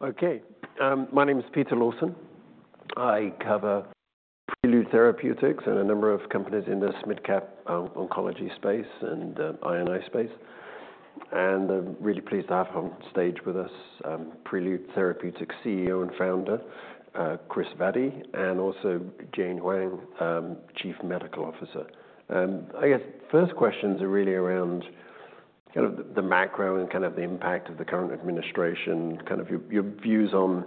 Okay, my name is Peter Lawson. I cover Prelude Therapeutics and a number of companies in the mid-cap oncology space and I&I space. I am really pleased to have on stage with us Prelude Therapeutics CEO and founder, Kris Vaddi, and also Jane Huang, Chief Medical Officer. I guess first questions are really around kind of the macro and kind of the impact of the current administration, kind of your views on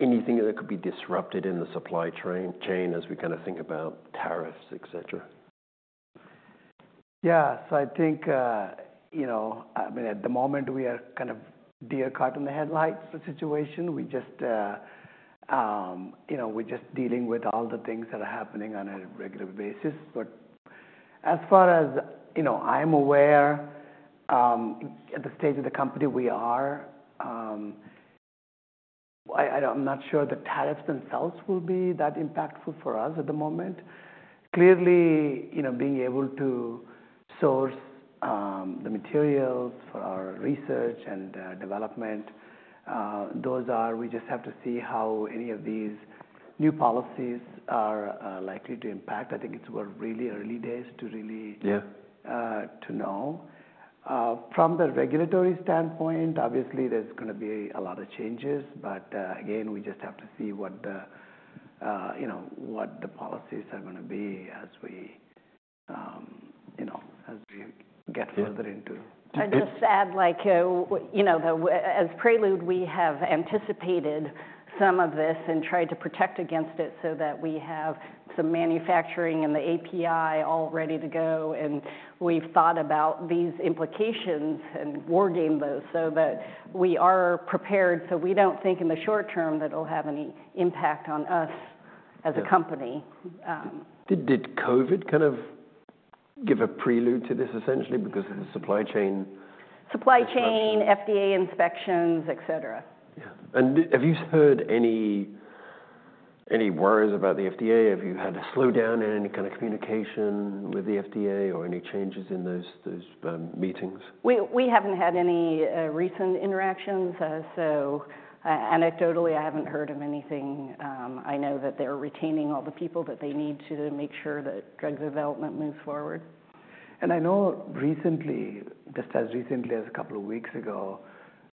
anything that could be disrupted in the supply chain as we kind of think about tariffs, etc. Yeah, so I think, you know, I mean, at the moment we are kind of deer caught in the headlights situation. We just, you know, we're just dealing with all the things that are happening on a regular basis. As far as, you know, I'm aware, at the stage of the company we are, I'm not sure the tariffs themselves will be that impactful for us at the moment. Clearly, you know, being able to source the materials for our research and development, those are, we just have to see how any of these new policies are likely to impact. I think it's really early days to really know. From the regulatory standpoint, obviously there's going to be a lot of changes, but again, we just have to see what the, you know, what the policies are going to be as we, you know, as we get further into. I just add, like, you know, as Prelude, we have anticipated some of this and tried to protect against it so that we have some manufacturing and the API all ready to go. We have thought about these implications and wargame those so that we are prepared. We do not think in the short term that it will have any impact on us as a company. Did COVID kind of give a prelude to this essentially because of the supply chain? Supply chain, FDA inspections, etc. Yeah. Have you heard any worries about the FDA? Have you had a slowdown in any kind of communication with the FDA or any changes in those meetings? We haven't had any recent interactions. Anecdotally, I haven't heard of anything. I know that they're retaining all the people that they need to make sure that drug development moves forward. I know recently, just as recently as a couple of weeks ago,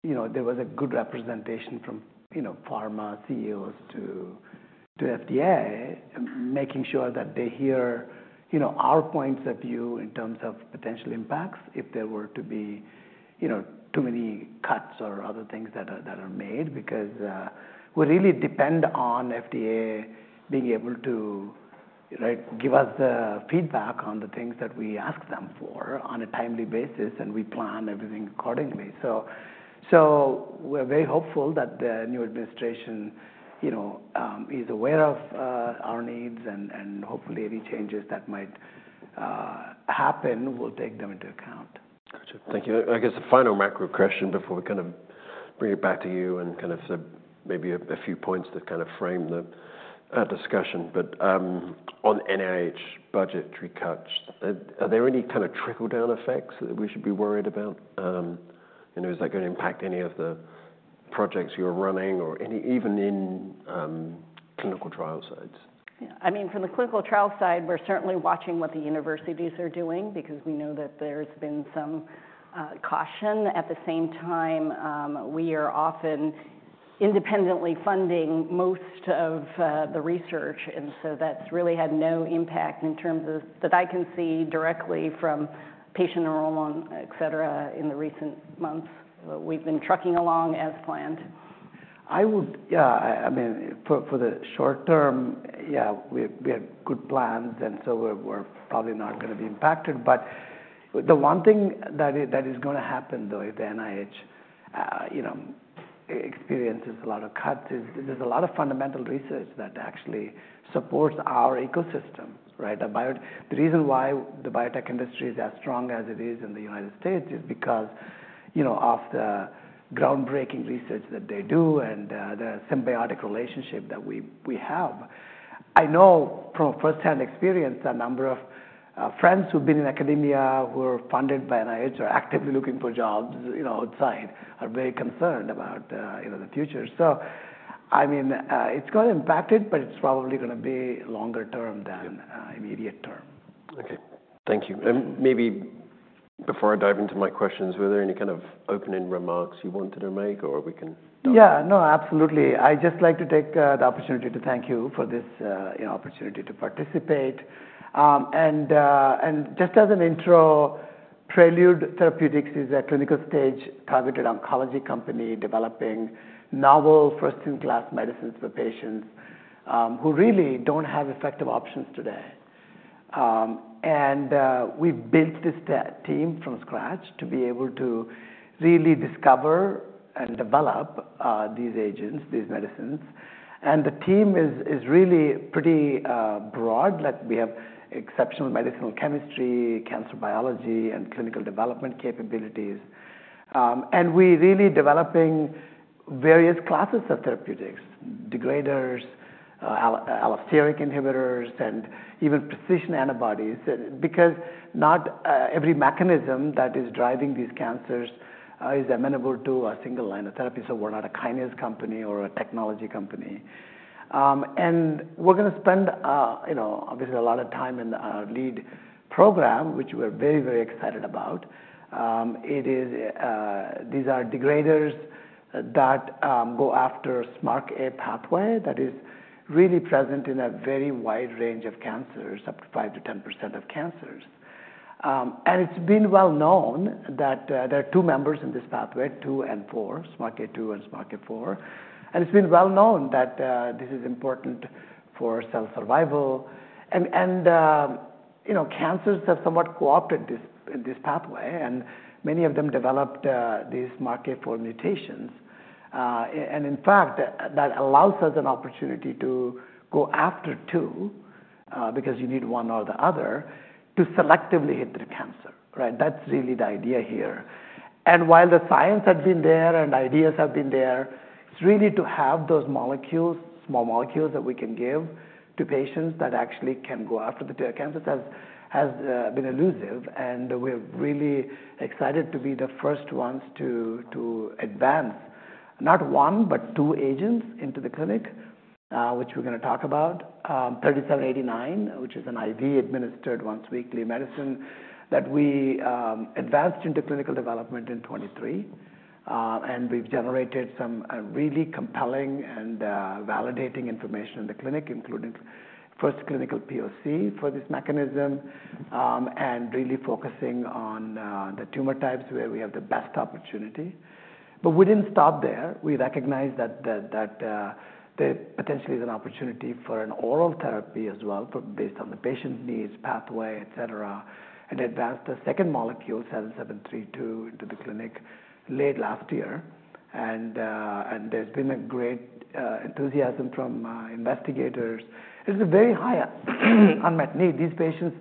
you know, there was a good representation from, you know, pharma CEOs to FDA making sure that they hear, you know, our points of view in terms of potential impacts if there were to be, you know, too many cuts or other things that are made because we really depend on FDA being able to give us the feedback on the things that we ask them for on a timely basis. We plan everything accordingly. We are very hopeful that the new administration, you know, is aware of our needs and hopefully any changes that might happen will take them into account. Gotcha. Thank you. I guess a final macro question before we kind of bring it back to you and kind of maybe a few points that kind of frame the discussion. On NIH budgetary cuts, are there any kind of trickle-down effects that we should be worried about? You know, is that going to impact any of the projects you're running or even in clinical trial sites? Yeah, I mean, from the clinical trial side, we're certainly watching what the universities are doing because we know that there's been some caution. At the same time, we are often independently funding most of the research. That has really had no impact in terms of that I can see directly from patient enrollment, etc., in the recent months. We've been trucking along as planned. I would, yeah, I mean, for the short term, yeah, we have good plans. We are probably not going to be impacted. The one thing that is going to happen though, if the NIH, you know, experiences a lot of cuts, is there is a lot of fundamental research that actually supports our ecosystem, right? The reason why the biotech industry is as strong as it is in the United States is because, you know, of the groundbreaking research that they do and the symbiotic relationship that we have. I know from firsthand experience a number of friends who have been in academia who are funded by NIH are actively looking for jobs, you know, outside, are very concerned about, you know, the future. I mean, it is going to impact it, but it is probably going to be longer term than immediate term. Okay. Thank you. Maybe before I dive into my questions, were there any kind of opening remarks you wanted to make or we can? Yeah, no, absolutely. I just like to take the opportunity to thank you for this, you know, opportunity to participate. Just as an intro, Prelude Therapeutics is a clinical stage targeted oncology company developing novel first-in-class medicines for patients who really don't have effective options today. We built this team from scratch to be able to really discover and develop these agents, these medicines. The team is really pretty broad. Like we have exceptional medicinal chemistry, cancer biology, and clinical development capabilities. We're really developing various classes of therapeutics, degraders, allosteric inhibitors, and even precision antibodies because not every mechanism that is driving these cancers is amenable to a single line of therapy. We're not a kinase company or a technology company. We're going to spend, you know, obviously a lot of time in our lead program, which we're very, very excited about. These are degraders that go after the SMARCA pathway that is really present in a very wide range of cancers, up to 5-10% of cancers. It's been well known that there are two members in this pathway, two and four, SMARCA2 and SMARCA4. It's been well known that this is important for cell survival. You know, cancers have somewhat co-opted this pathway. Many of them developed these SMARCA4 mutations. In fact, that allows us an opportunity to go after two because you need one or the other to selectively hit the cancer, right? That's really the idea here. While the science had been there and ideas have been there, it's really to have those molecules, small molecules that we can give to patients that actually can go after the cancers has been elusive. We are really excited to be the first ones to advance not one, but two agents into the clinic, which we are going to talk about, 3789, which is an IV administered once weekly medicine that we advanced into clinical development in 2023. We have generated some really compelling and validating information in the clinic, including first clinical POC for this mechanism and really focusing on the tumor types where we have the best opportunity. We did not stop there. We recognize that there potentially is an opportunity for an oral therapy as well based on the patient needs, pathway, etc. We advanced the second molecule, 7732, into the clinic late last year. There has been great enthusiasm from investigators. It is a very high unmet need. These patients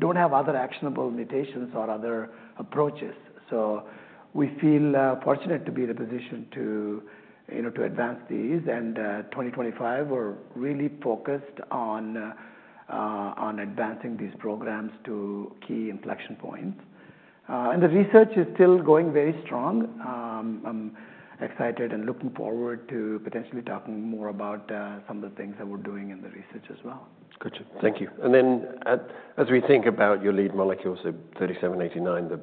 do not have other actionable mutations or other approaches. We feel fortunate to be in a position to, you know, to advance these. In 2025, we're really focused on advancing these programs to key inflection points. The research is still going very strong. I'm excited and looking forward to potentially talking more about some of the things that we're doing in the research as well. Gotcha. Thank you. As we think about your lead molecule, so 3789, the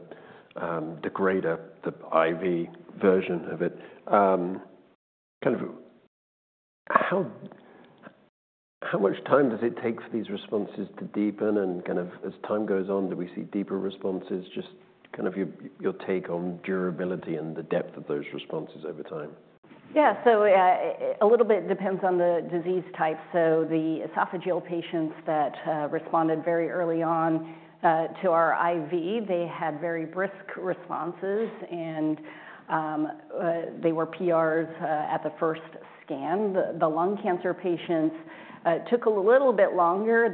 degrader, the IV version of it, kind of how much time does it take for these responses to deepen? As time goes on, do we see deeper responses? Just kind of your take on durability and the depth of those responses over time. Yeah, so a little bit depends on the disease type. The esophageal patients that responded very early on to our IV, they had very brisk responses and they were PRs at the first scan. The lung cancer patients took a little bit longer.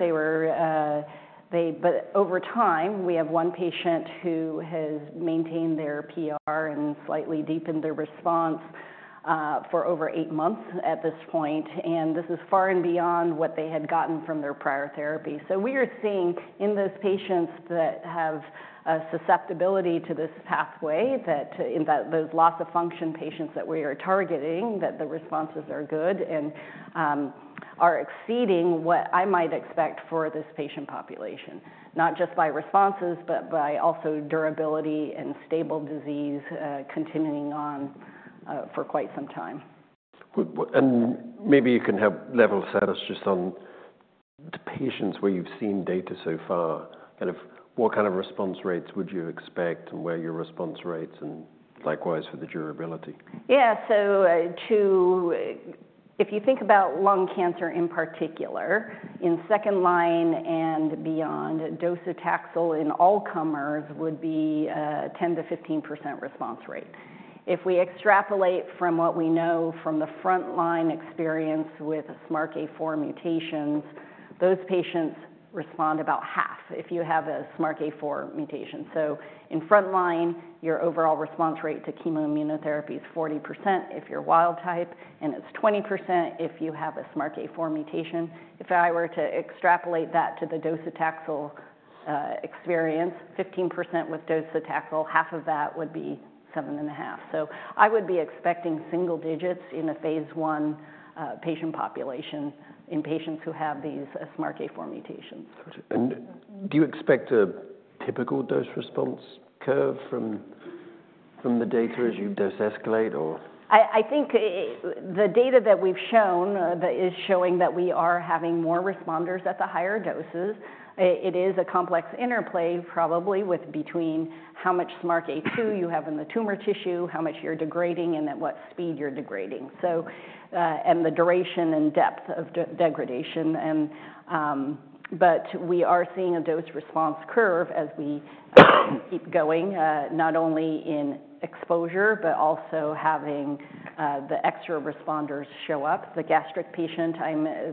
Over time we have one patient who has maintained their PR and slightly deepened their response for over eight months at this point. This is far and beyond what they had gotten from their prior therapy. We are seeing in those patients that have susceptibility to this pathway that those loss of function patients that we are targeting, that the responses are good and are exceeding what I might expect for this patient population, not just by responses, but by also durability and stable disease continuing on for quite some time. Maybe you can have level status just on the patients where you've seen data so far, kind of what kind of response rates would you expect and where your response rates and likewise for the durability? Yeah, so if you think about lung cancer in particular, in second line and beyond, docetaxel in all comers would be 10-15% response rate. If we extrapolate from what we know from the frontline experience with SMARCA4 mutations, those patients respond about half if you have a SMARCA4 mutation. In frontline, your overall response rate to chemoimmunotherapy is 40% if you're wild type, and it's 20% if you have a SMARCA4 mutation. If I were to extrapolate that to the docetaxel experience, 15% with docetaxel, half of that would be seven and a half. I would be expecting single digits in a phase one patient population in patients who have these SMARCA4 mutations. Do you expect a typical dose response curve from the data as you dose escalate or? I think the data that we've shown that is showing that we are having more responders at the higher doses. It is a complex interplay probably with between how much SMARCA2 you have in the tumor tissue, how much you're degrading, and at what speed you're degrading. The duration and depth of degradation are also important. We are seeing a dose response curve as we keep going, not only in exposure, but also having the extra responders show up. The gastric patient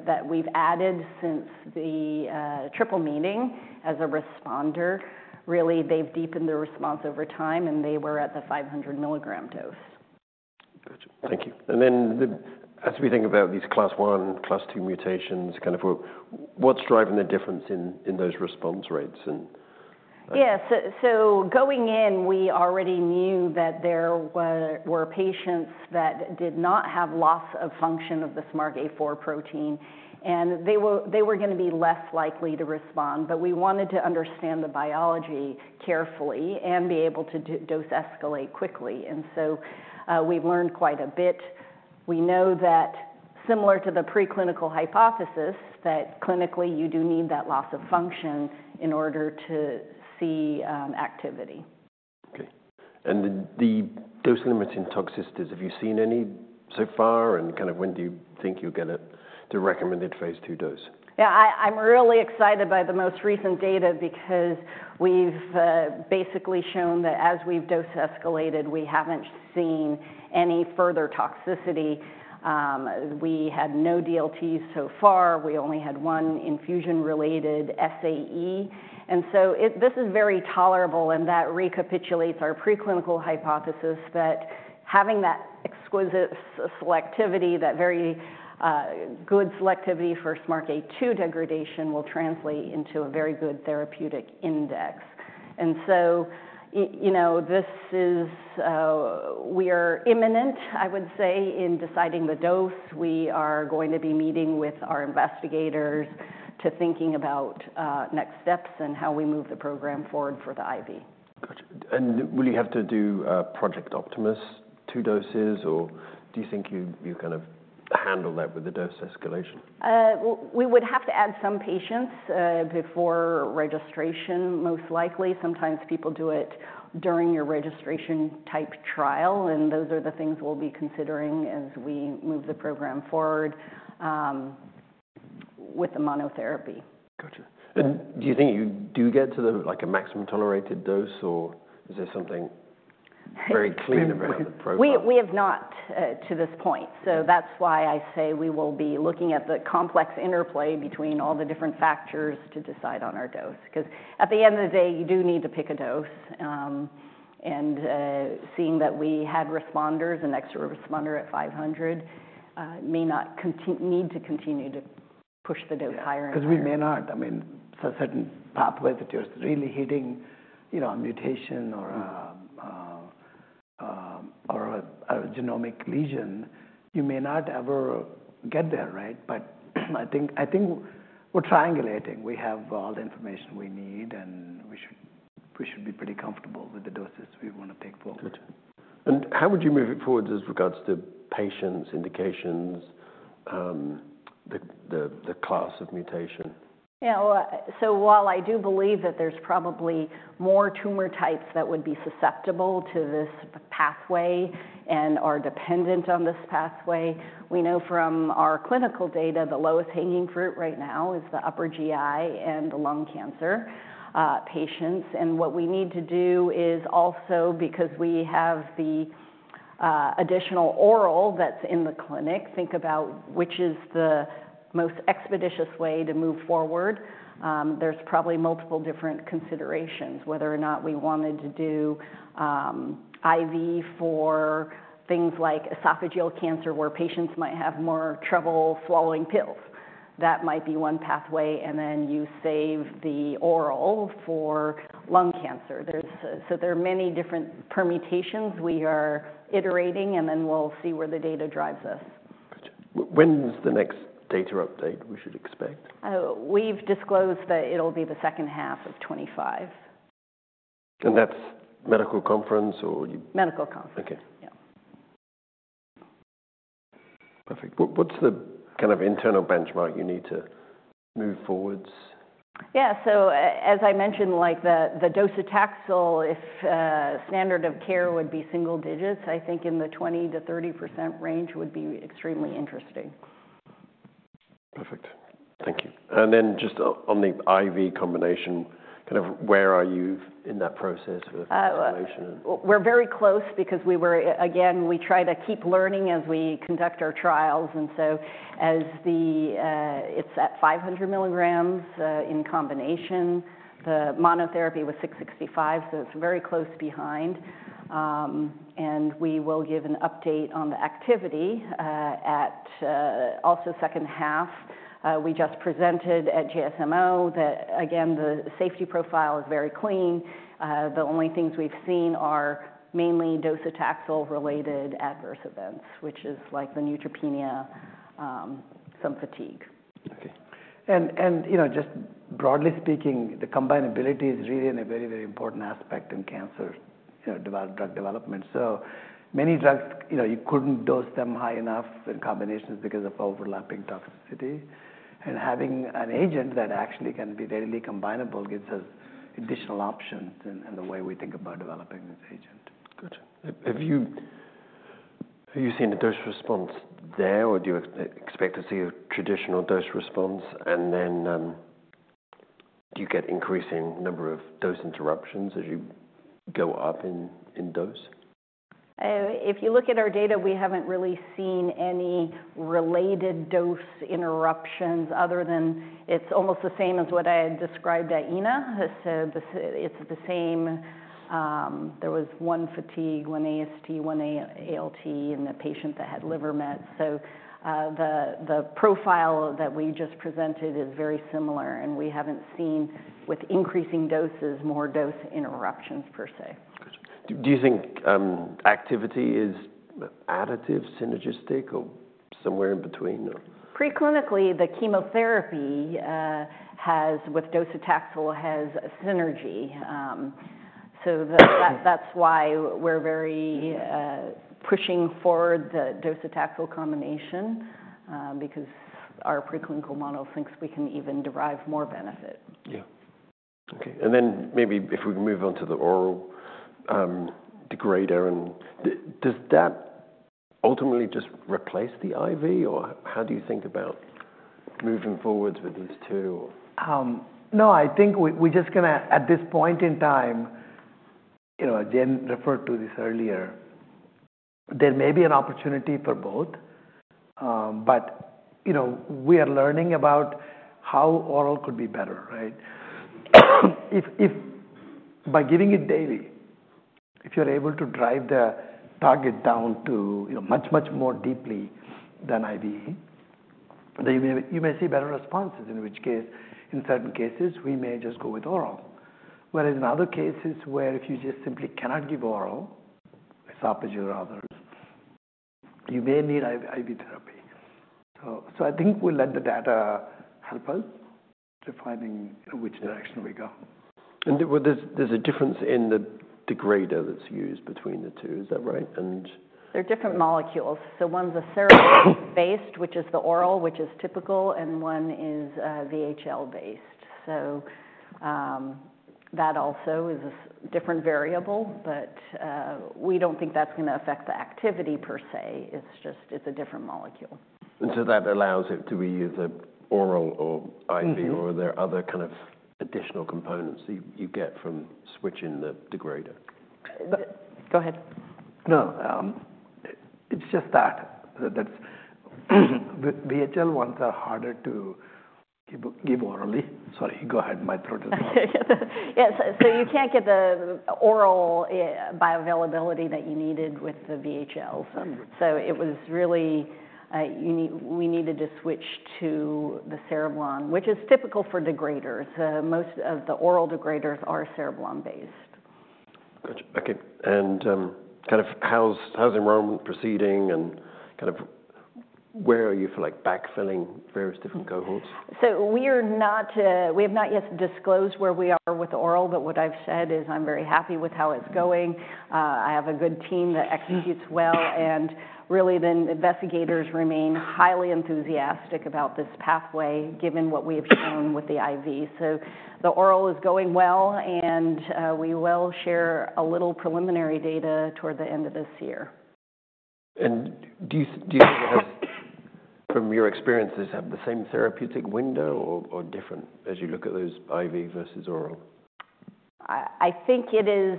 that we've added since the Triple Meeting as a responder, really they've deepened their response over time and they were at the 500 mg dose. Gotcha. Thank you. As we think about these Class 1, Class 2 mutations, kind of what's driving the difference in those response rates? Yeah, going in, we already knew that there were patients that did not have loss of function of the SMARCA4 protein. They were going to be less likely to respond. We wanted to understand the biology carefully and be able to dose escalate quickly. We have learned quite a bit. We know that, similar to the preclinical hypothesis, clinically you do need that loss of function in order to see activity. Okay. The dose limiting toxicities, have you seen any so far? Kind of when do you think you'll get the recommended phase two dose? Yeah, I'm really excited by the most recent data because we've basically shown that as we've dose escalated, we haven't seen any further toxicity. We had no DLTs so far. We only had one infusion-related SAE. This is very tolerable. That recapitulates our preclinical hypothesis that having that exquisite selectivity, that very good selectivity for SMARCA2 degradation will translate into a very good therapeutic index. You know, we are imminent, I would say, in deciding the dose. We are going to be meeting with our investigators to think about next steps and how we move the program forward for the IV. Gotcha. Will you have to do Project Optimus two doses or do you think you kind of handle that with the dose escalation? We would have to add some patients before registration, most likely. Sometimes people do it during your registration type trial. Those are the things we'll be considering as we move the program forward with the monotherapy. Gotcha. Do you think you do get to the like a maximum tolerated dose or is there something very clear about the program? We have not to this point. That is why I say we will be looking at the complex interplay between all the different factors to decide on our dose. Because at the end of the day, you do need to pick a dose. Seeing that we had responders and extra responder at 500 may not need to continue to push the dose higher and higher. Because we may not, I mean, for certain pathways that you're really hitting, you know, a mutation or a genomic lesion, you may not ever get there, right? I think we're triangulating. We have all the information we need and we should be pretty comfortable with the doses we want to take forward. How would you move it forward as regards to patients, indications, the class of mutation? Yeah, so while I do believe that there's probably more tumor types that would be susceptible to this pathway and are dependent on this pathway, we know from our clinical data the lowest hanging fruit right now is the upper GI and the lung cancer patients. What we need to do is also because we have the additional oral that's in the clinic, think about which is the most expeditious way to move forward. There's probably multiple different considerations, whether or not we wanted to do IV for things like esophageal cancer where patients might have more trouble swallowing pills. That might be one pathway. You save the oral for lung cancer. There are many different permutations we are iterating and then we'll see where the data drives us. When is the next data update we should expect? We've disclosed that it'll be the second half of 2025. that a medical conference or? Medical conference. Okay. Perfect. What's the kind of internal benchmark you need to move forwards? Yeah, so as I mentioned, like the docetaxel, if standard of care would be single digits, I think in the 20-30% range would be extremely interesting. Perfect. Thank you. Just on the IV combination, kind of where are you in that process? We're very close because we were, again, we try to keep learning as we conduct our trials. As the it's at 500 mg in combination, the monotherapy was 665. It is very close behind. We will give an update on the activity at also second half. We just presented at GSMO that again, the safety profile is very clean. The only things we've seen are mainly docetaxel related adverse events, which is like the neutropenia, some fatigue. Okay. And you know, just broadly speaking, the combinability is really a very, very important aspect in cancer drug development. So many drugs, you know, you couldn't dose them high enough in combinations because of overlapping toxicity. And having an agent that actually can be readily combinable gives us additional options in the way we think about developing this agent. Gotcha. Have you seen a dose response there or do you expect to see a traditional dose response? Do you get increasing number of dose interruptions as you go up in dose? If you look at our data, we haven't really seen any related dose interruptions other than it's almost the same as what I described at ENA. It is the same. There was one fatigue, one AST, one ALT in the patient that had liver met. The profile that we just presented is very similar. We haven't seen with increasing doses, more dose interruptions per se. Do you think activity is additive, synergistic, or somewhere in between? Preclinically, the chemotherapy with docetaxel has synergy. That is why we're very pushing forward the docetaxel combination because our preclinical model thinks we can even derive more benefit. Yeah. Okay. Maybe if we can move on to the oral degrader, does that ultimately just replace the IV or how do you think about moving forwards with these two? No, I think we're just going to at this point in time, you know, again referred to this earlier, there may be an opportunity for both. You know, we are learning about how oral could be better, right? If by giving it daily, if you're able to drive the target down to much, much more deeply than IV, you may see better responses, in which case in certain cases we may just go with oral. Whereas in other cases where if you just simply cannot give oral, esophageal or others, you may need IV therapy. I think we'll let the data help us defining which direction we go. There's a difference in the degrader that's used between the two, is that right? They're different molecules. One's a cereblon based, which is the oral, which is typical, and one is VHL based. That also is a different variable. We don't think that's going to affect the activity per se. It's just it's a different molecule. That allows it to be either oral or IV or there are other kind of additional components that you get from switching the degrader. Go ahead. No, it's just that that's VHL ones are harder to give orally. Sorry, go ahead. My throat is not. Yeah, so you can't get the oral bioavailability that you needed with the VHL. It was really we needed to switch to the cereblon, which is typical for degraders. Most of the oral degraders are cereblon based. Gotcha. Okay. Kind of how's enrollment proceeding and kind of where are you for like backfilling various different cohorts? We are not, we have not yet disclosed where we are with oral. What I've said is I'm very happy with how it's going. I have a good team that executes well. Really, the investigators remain highly enthusiastic about this pathway given what we have shown with the IV. The oral is going well and we will share a little preliminary data toward the end of this year. Do you think from your experiences have the same therapeutic window or different as you look at those IV versus oral? I think it is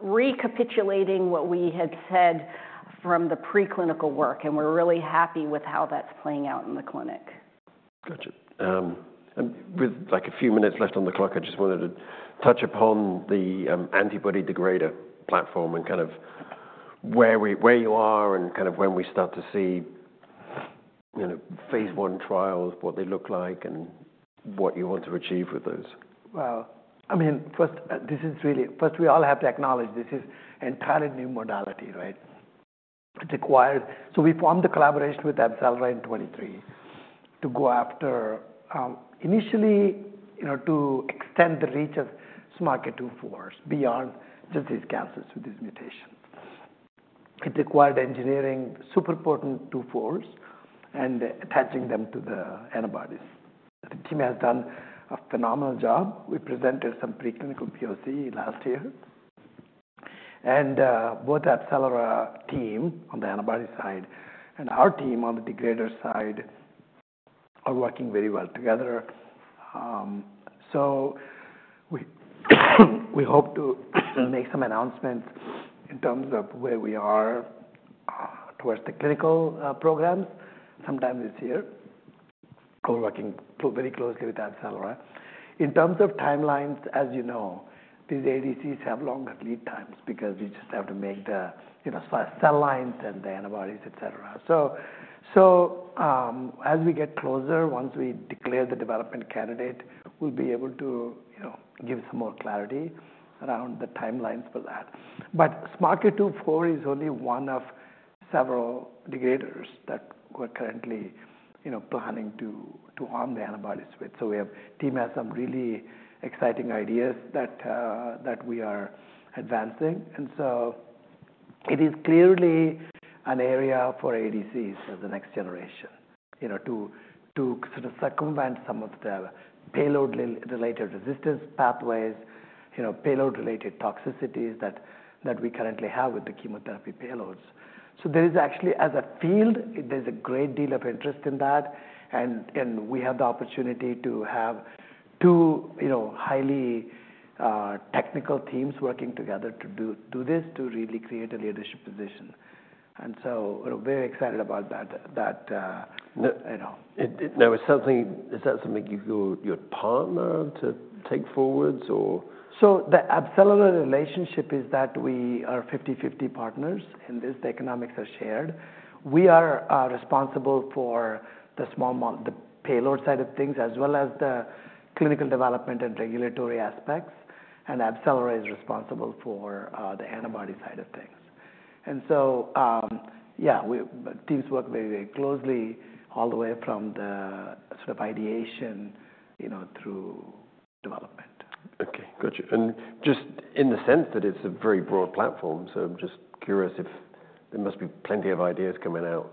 recapitulating what we had said from the preclinical work. We are really happy with how that's playing out in the clinic. Gotcha. With like a few minutes left on the clock, I just wanted to touch upon the antibody degrader platform and kind of where you are and kind of when we start to see Phase I trials, what they look like and what you want to achieve with those. I mean, first this is really first we all have to acknowledge this is entirely new modality, right? It's required. We formed the collaboration with Absci in 2023 to go after initially, you know, to extend the reach of SMARCA2/4s beyond just these cancers with these mutations. It required engineering super important two folds and attaching them to the antibodies. The team has done a phenomenal job. We presented some preclinical POC last year. Both Absci team on the antibody side and our team on the degrader side are working very well together. We hope to make some announcements in terms of where we are towards the clinical programs sometime this year. We're working very closely with Absci. In terms of timelines, as you know, these ADCs have longer lead times because we just have to make the cell lines and the antibodies, etc. As we get closer, once we declare the development candidate, we'll be able to give some more clarity around the timelines for that. SMARCA2 is only one of several degraders that we're currently planning to arm the antibodies with. The team has some really exciting ideas that we are advancing. It is clearly an area for ADCs for the next generation, you know, to sort of circumvent some of the payload-related resistance pathways, you know, payload-related toxicities that we currently have with the chemotherapy payloads. There is actually, as a field, a great deal of interest in that. We have the opportunity to have two, you know, highly technical teams working together to do this to really create a leadership position. We are very excited about that. Now, is that something you go your partner to take forwards or? The Absci relationship is that we are 50/50 partners in this. The economics are shared. We are responsible for the payload side of things as well as the clinical development and regulatory aspects. Absci is responsible for the antibody side of things. Teams work very, very closely all the way from the sort of ideation, you know, through development. Okay. Gotcha. Just in the sense that it's a very broad platform, so I'm just curious if there must be plenty of ideas coming out.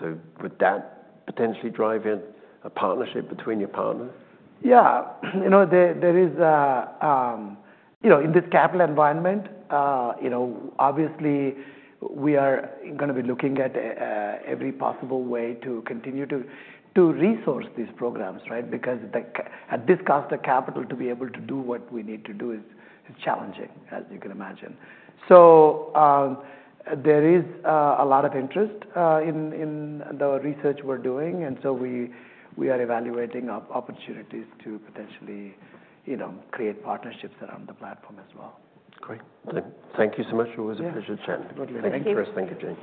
Would that potentially drive in a partnership between your partners? Yeah. You know, there is, you know, in this capital environment, you know, obviously we are going to be looking at every possible way to continue to resource these programs, right? Because at this cost of capital to be able to do what we need to do is challenging, as you can imagine. There is a lot of interest in the research we're doing. We are evaluating opportunities to potentially, you know, create partnerships around the platform as well. Great. Thank you so much. It was a pleasure chatting. Thanks for your time.